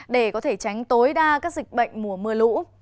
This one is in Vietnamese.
để có thể tránh tối đa các dịch bệnh mùa mưa lũ